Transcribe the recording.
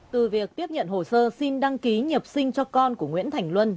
từ việc tiếp nhận hồ sơ xin đăng ký nhập sinh cho con của nguyễn thành luân